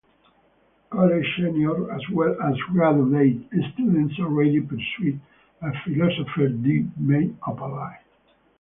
College seniors as well as graduate students already pursuing a Ph.D. may apply.